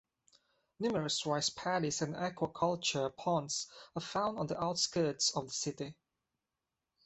Numerous rice paddies and aquaculture ponds are found on the outskirts of the city.